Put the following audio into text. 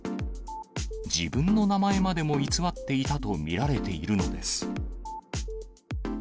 自分の名前までも偽っていたと見られているのです。